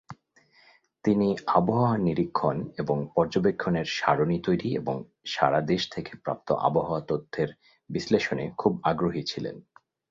তিনি আবহাওয়া নিরীক্ষণ এবং পর্যবেক্ষণের সারণী তৈরি এবং সারা দেশ থেকে প্রাপ্ত আবহাওয়া তথ্যের বিশ্লেষণে খুব আগ্রহী ছিলেন।